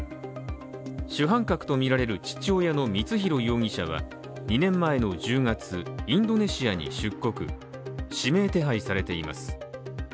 主犯格とみられる父親の光弘容疑者は２年前の１０月、インドネシアに出国、指名手配されています。